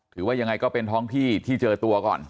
หรือว่ายังไงก็เป็นท้องที่ที่เจอตัวก่อน